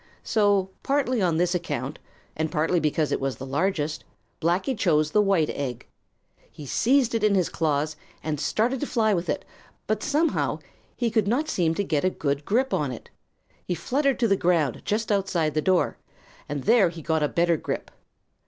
So, partly on this account, and partly because it was the largest, Blacky chose the white egg. He seized it in his claws and started to fly with it, but somehow he could not seem to get a good grip on it. He fluttered to the ground just outside the door, and there he got a better grip.